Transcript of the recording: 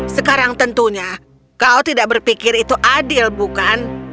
sekarang tentunya kau tidak berpikir itu adil bukan